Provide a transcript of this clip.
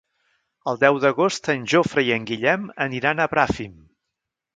El deu d'agost en Jofre i en Guillem aniran a Bràfim.